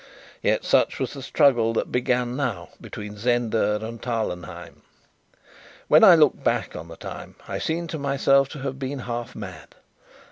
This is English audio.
Yet such was the struggle that began now between Zenda and Tarlenheim. When I look back on the time, I seem to myself to have been half mad.